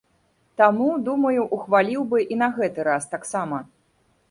Таму, думаю, ухваліў бы і на гэты раз таксама.